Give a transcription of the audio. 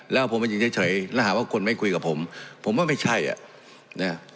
แล้วผมมายืนเฉยแล้วหาว่าคนไม่คุยกับผมผมว่าไม่ใช่อ่ะนะ